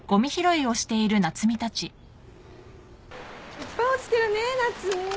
いっぱい落ちてるね夏海。